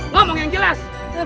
ngomong yang jelas